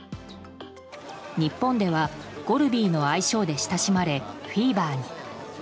日本ではゴルビーの愛称で親しまれフィーバーに。